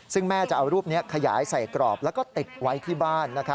ซึ่งแม่จะเอารูปนี้ขยายใส่กรอบแล้วก็ติดไว้ที่บ้าน